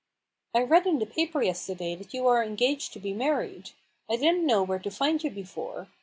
" I read in the paper yesterday that you are engaged to 152 A BOOK OF BARGAINS. be married. I didn't know where to find you before.